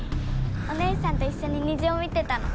お姉さんと一緒に虹を見てたの。